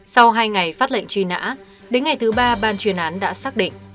sau hai ngày phát lệnh truy nã đến ngày thứ ba ban chuyên án đã xác định